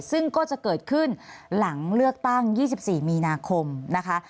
ซึ่งก็จะเกิดขึ้นหลังเลือกตั้ง๒๔มีนาคมนะคะ